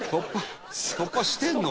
「突破してるの？